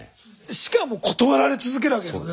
しかも断られ続けるわけですよね。